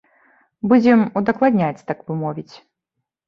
Будзем удакладняць, так бы мовіць.